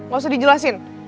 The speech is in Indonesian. gak usah dijelasin